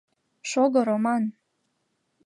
— Шого, Роман!